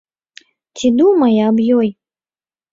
Ці думае аб ёй?